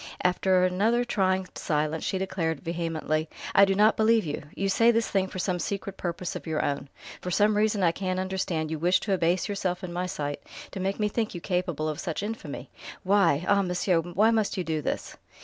After another trying silence she declared vehemently: "I do not believe you! You say this thing for some secret purpose of your own. For some reason I can't understand you wish to abase yourself in my sight, to make me think you capable of such infamy. Why ah, monsieur! why must you do this?"